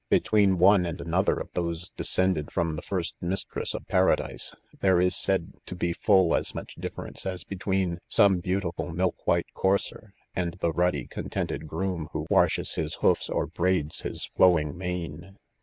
Between oae and another of those descended from the first mistress of Paradise,, ; there is said to he fall as much difference as between some beautiful milk white 'courser and the ruddy contented groom who washes his hoofs or breads bis flow ing mane.